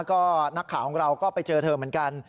ก็นักข่าวของเราก็ไปเจอเธอเหมือนกัน